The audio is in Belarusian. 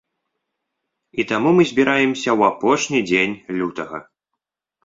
І таму мы збіраемся ў апошні дзень лютага.